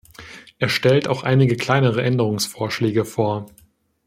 Er stellt auch einige kleinere Änderungsvorschläge vor.